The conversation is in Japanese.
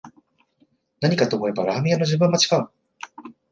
何かと思えばラーメン屋の順番待ちか